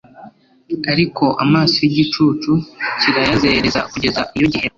ariko amaso y’igicucu kirayazerereza kugeza iyo gihera